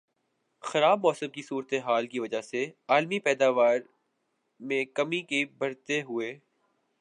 خراب موسم کی صورتحال کی وجہ سے عالمی پیداوار میں کمی کے بڑھتے ہوئے